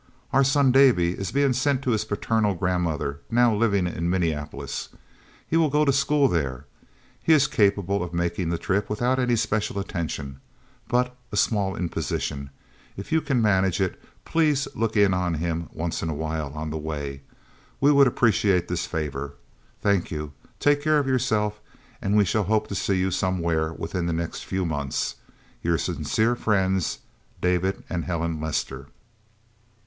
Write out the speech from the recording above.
Our son, Davy, is being sent to his paternal grandmother, now living in Minneapolis. He will go to school there. He is capable of making the trip without any special attention. But a small imposition. If you can manage it, please look in on him once in a while, on the way. We would appreciate this favor. Thank you, take care of yourself, and we shall hope to see you somewhere within the next few months. Your sincere friends, David and Helen Lester."